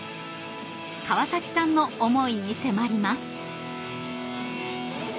川崎さんの思いに迫ります。